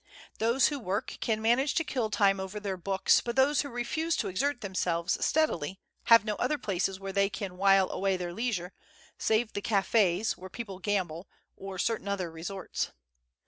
Those who work can manage to kill time over their books, but those who refuse to exert themselves steadily have no other places where they can while away their leisure save the cafes, where people gamble, or certain other resorts.